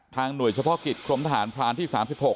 หน่วยเฉพาะกิจกรมทหารพรานที่๓๖